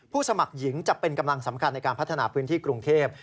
สมัครหญิงจะเป็นกำลังสำคัญในการพัฒนาพื้นที่กรุงเทพ